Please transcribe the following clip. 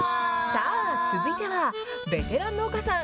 さあ、続いては、ベテラン農家さん。